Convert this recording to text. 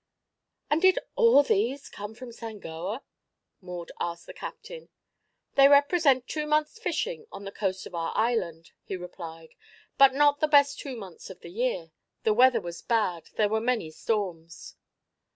"And did all these come from Sangoa?" Maud asked the captain. "They represent two months' fishing on the coast of our island," he replied; "but not the best two months of the year. The weather was bad; there were many storms."